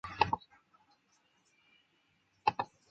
霍普留下许多名言。